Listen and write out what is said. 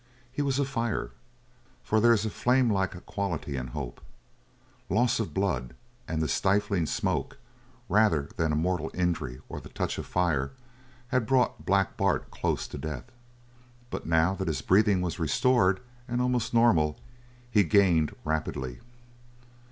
He was afire, for there is a flamelike quality in hope. Loss of blood and the stifling smoke, rather than a mortal injury or the touch of fire, had brought Black Bart close to death, but now that his breathing was restored, and almost normal, he gained rapidly.